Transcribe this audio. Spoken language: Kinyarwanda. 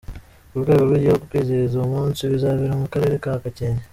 Ku rwego rw’Igihugu kwizihiza uwo munsi bizabera mu Karere ka Gakenke.